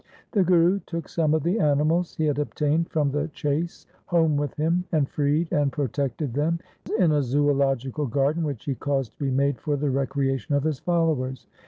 The Guru took some of the animals he had obtained from the chase home with him, and freed and pro tected them in a zoological garden, which he caused to be made for the recreation of his followers.